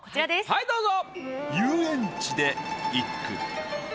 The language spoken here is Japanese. はいどうぞ。